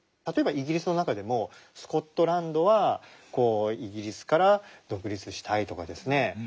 例えばイギリスの中でもスコットランドはこうイギリスから独立したいとかですね。